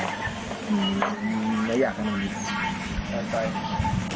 มีระยะขนาดนี้นอนใจ